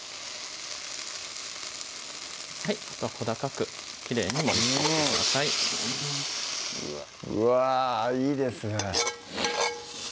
あとは小高くきれいに盛りつけてくださいうわいいですね